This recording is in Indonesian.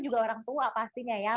juga orang tua pastinya ya